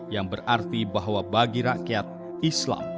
yang berarti bahwa bagi rakyat islam